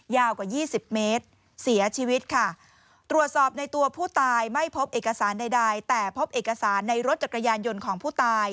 ยาวกว่ายี่สิบเมตรเสียชีวิตค่ะตรวจสอบในตัวผู้ตายไม่พบเอกสารใดแต่พบเอกสารในรถจักรยานยนต์ของผู้ตาย